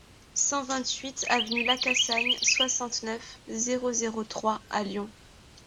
cent vingt-huit avenue Lacassagne, soixante-neuf, zéro zéro trois à Lyon